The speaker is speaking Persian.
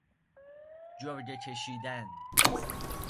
جرگه کشیدن